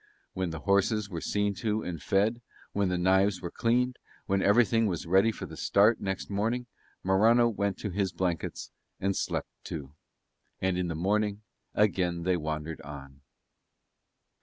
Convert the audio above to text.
When the horses were seen to and fed, when the knives were cleaned, when everything was ready for the start next morning, Morano went to his blankets and slept too. And in the morning again they wandered on.